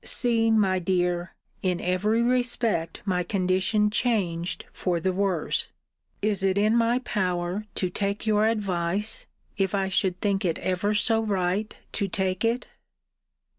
See, my dear! in every respect my condition changed for the worse! Is it in my power to take your advice, if I should think it ever so right to take it?